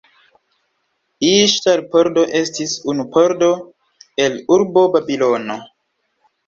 Iŝtar-pordo estis unu pordo el urbo Babilono.